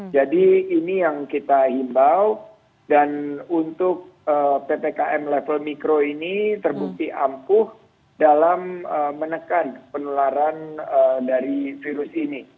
jadi ini yang kita himbau dan untuk ppkm level mikro ini terbukti ampuh dalam menekan penularan dari virus ini